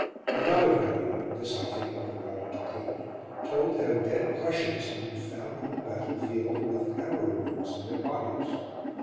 Another variant this, I think, never got into print told how dead Prussians had been found on the battlefield with arrow wounds in their bodies.